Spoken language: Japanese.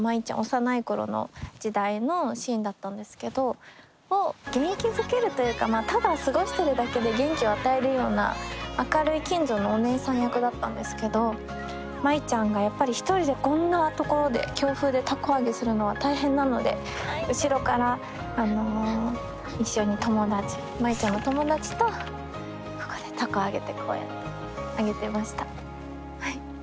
幼い頃の時代のシーンだったんですけど元気づけるというかただ過ごしてるだけで元気を与えるような明るい近所のおねえさん役だったんですけど舞ちゃんがやっぱり一人でこんな所で強風で凧揚げするのは大変なので後ろから一緒に舞ちゃんの友達とここで凧揚げてこうやって揚げてました。